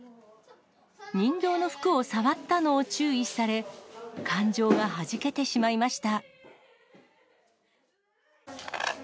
人形の服を触ったのを注意され、感情がはじけてしまいました。